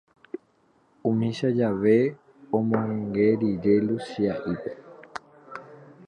Umícha jave, omonge rire Luchia'ípe